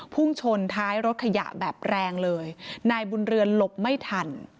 พุ่งชนท้ายรถขยะแบบแรงเลยนายบุญเรือนหลบไม่ทัน